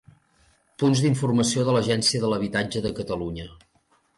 Punts d'informació de l'Agència de l'Habitatge de Catalunya.